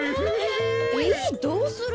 えどうする？